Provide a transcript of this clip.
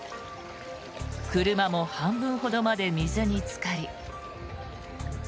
車も半分ほどまで水につかり。